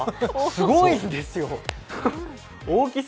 すごいんですよ。